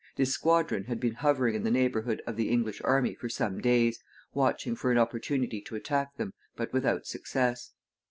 This squadron had been hovering in the neighborhood of the English army for some days, watching for an opportunity to attack them, but without success.